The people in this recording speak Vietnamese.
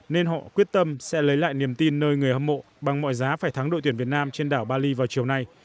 nên họ quyết tâm sẽ lấy lại niềm tin nơi người hâm mộ bằng mọi giá phải thắng đội tuyển việt nam trên đảo bali vào chiều nay